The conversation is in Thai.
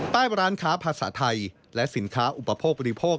ร้านค้าภาษาไทยและสินค้าอุปโภคบริโภค